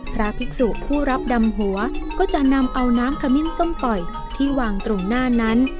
พระภิกษุผู้รับดำหัวก็จะนำเอาน้ำขมิ้นส้มต่อยที่วางตรงหน้านั้น